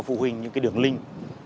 phụ huynh những đường link